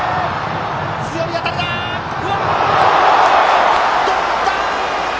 強い当たりだがとった！